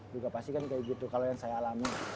juga pasti kan kayak gitu kalau yang saya alami